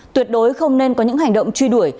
tuyệt đối không nên có những hành động truy đuổi